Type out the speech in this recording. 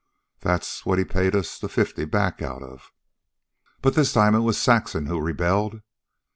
That's what ha paid us the fifty back out of." But this time it was Saxon who rebelled.